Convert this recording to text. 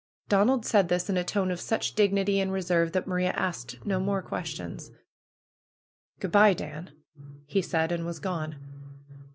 Donald said this in a tone of such dignity and reserve that Maria asked no more ques tions. "Good bye, Dan!" he said, and was gone.